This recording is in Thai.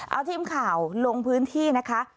เอาทีมข่าวลงพื้นที่นะคะ